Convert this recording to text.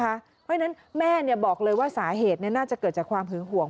เพราะฉะนั้นแม่บอกเลยว่าสาเหตุน่าจะเกิดจากความหึงห่วง